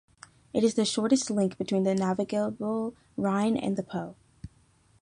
It is the shortest link between the navigable Rhine and the Po.